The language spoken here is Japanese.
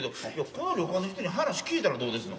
この旅館の人に話聞いたらどうですの？